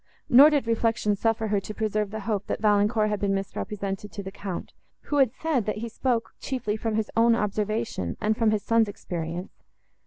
Nor did reflection suffer her to preserve the hope, that Valancourt had been mis represented to the Count, who had said, that he spoke chiefly from his own observation, and from his son's experience.